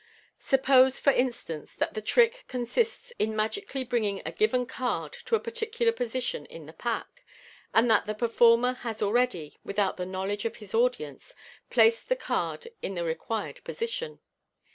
Suppose, for instance, that the trick con sists in magically bringing a given card to a particular position in the pack, and that the performer has already, without the knowledge of his audience, placed the card in the required position.